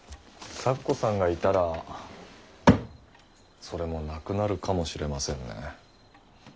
咲子さんがいたらそれもなくなるかもしれませんね。